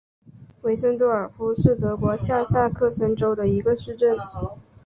韦森多尔夫是德国下萨克森州的一个市镇。